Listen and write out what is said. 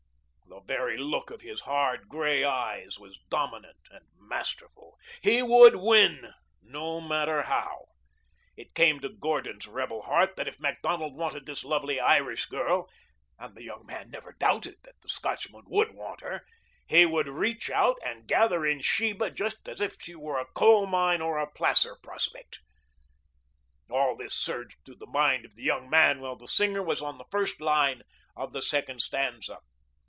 The very look of his hard, gray eyes was dominant and masterful. He would win, no matter how. It came to Gordon's rebel heart that if Macdonald wanted this lovely Irish girl, and the young man never doubted that the Scotchman would want her, he would reach out and gather in Sheba just as if she were a coal mine or a placer prospect. All this surged through the mind of the young man while the singer was on the first line of the second stanza.